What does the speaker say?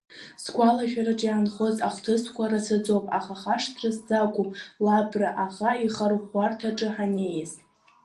Сгәалашәараҿы иаанхоз ахҭысқәа рацәаӡоуп, аха хашҭра сзақәым Лабра аӷа ихырӷәӷәарҭаҿы ҳаннеиз.